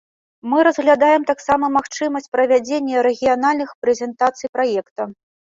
Мы разглядаем таксама магчымасць правядзення рэгіянальных прэзентацый праекта.